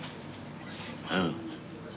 うん。